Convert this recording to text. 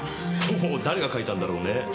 ほほう誰が書いたんだろうね？